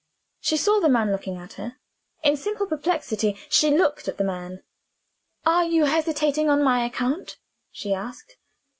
She saw the man looking at her. In simple perplexity she looked at the man. "Are you hesitating on my account?" she asked.